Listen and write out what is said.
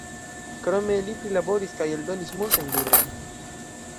Krome li prilaboris kaj eldonis multajn librojn.